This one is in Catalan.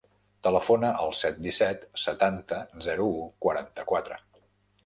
Telefona al set, disset, setanta, zero, u, quaranta-quatre.